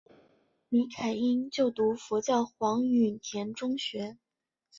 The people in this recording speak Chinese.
李凯茵就读佛教黄允畋中学。